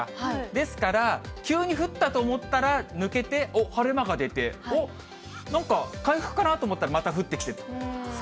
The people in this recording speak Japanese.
ですから、急に降ったと思ったら、抜けて、おっ、晴れ間が出て、おっ、なんか回復かなと思ったら、また降ってきて。